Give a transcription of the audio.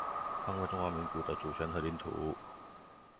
捍衛中華民國的主權和領土